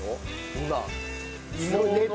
今。